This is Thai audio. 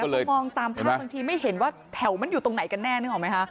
คือมองตามภาพบางทีไม่เห็นว่าแถวนั้นอยู่ตรงไหนกันแน่นึกออกไหมคะ